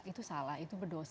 itu salah itu berdosa